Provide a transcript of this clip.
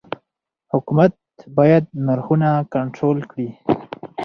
حکومت باید نرخونه کنټرول کړي؟